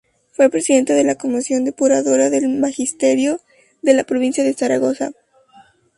Fue presidente de la Comisión Depuradora del Magisterio de la Provincia de Zaragoza.